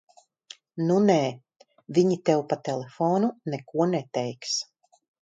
Nu nē, viņi tev pa telefonu neko neteiks.